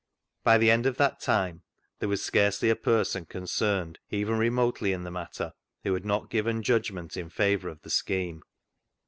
By the end of that time, there was scarcely a person concerned even remotely in the matter who had not given judgment in favour of the scheme.